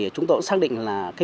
chúng tôi cũng xác định là